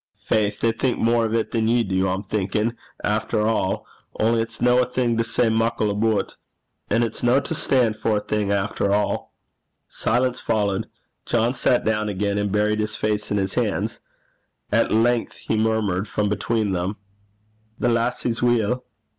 Faith! they think mair o' 't than ye do, I'm thinkin', efter a'; only it's no a thing to say muckle aboot. An' it's no to stan' for a'thing, efter a'.' Silence followed. John sat down again, and buried his face in his hands. At length he murmured from between them, 'The lassie's weel?'